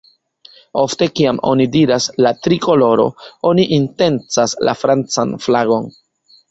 Ofte kiam oni diras "la trikoloro", oni intencas la francan flagon.